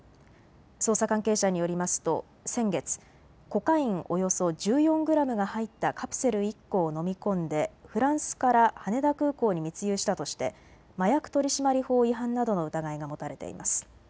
捜査関係者によりますと先月、コカインおよそ１４グラムが入ったカプセル１個を飲み込んでフランスから羽田空港に密輸したとして麻薬取締法違反などの疑いが持たれています。